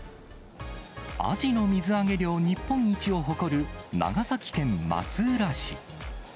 アジの水揚げ量日本一を誇る長崎県松浦市。